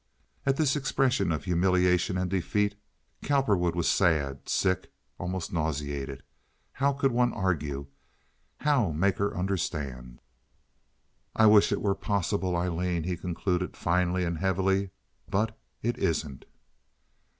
At this expression of humiliation and defeat Cowperwood was sad, sick, almost nauseated. How could one argue? How make her understand? "I wish it were possible, Aileen," he concluded, finally and heavily, "but it isn't."